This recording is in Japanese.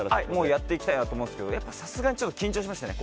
やっていきたいなと思うんですけどさすがに緊張しましたね。